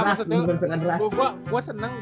ras libur dengan ras